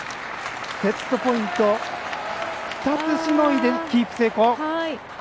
セットポイント２つしのいでキープ成功。